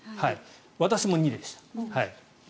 私も２でした。